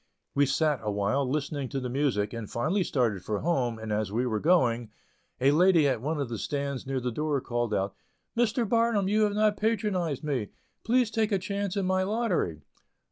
We sat awhile listening to the music, and finally started for home, and as we were going, a lady at one of the stands near the door, called out: "Mr. Barnum, you have not patronized me. Please take a chance in my lottery."